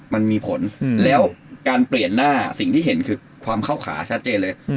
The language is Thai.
มันมีผลแล้วการเปลี่ยนหน้าสิ่งที่เห็นคือความเข้าขาชัดเจนเลย